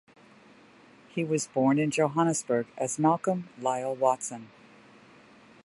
He was born in Johannesburg as Malcolm Lyall-Watson.